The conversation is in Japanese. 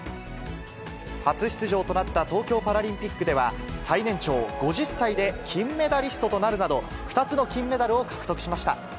初出場となった東京パラリンピックでは最年長５０歳で金メダリストとなるなど、２つの金メダルを獲得しました。